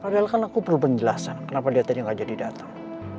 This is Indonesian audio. padahal kan aku perlu penjelasan kenapa dia tadi gak jadi datang